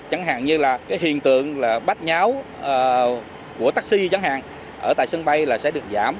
chẳng hạn như là hiện tượng bác nháo của taxi chẳng hạn ở tại sân bay sẽ được giảm